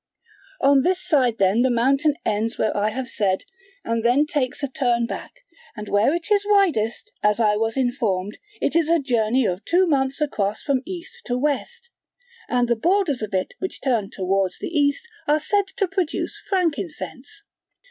On this side then the mountain ends where I have said, and then takes a turn back; and where it is widest, as I was informed, it is a journey of two months across from East to West; and the borders of it which turn towards the East are said to produce frankincense.